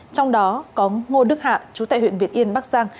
trong đó có ngô đức hạ chú tại huyện việt yên bắc giang